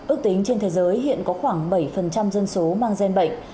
ước tính trên thế giới hiện có khoảng bảy dân số mang gen bệnh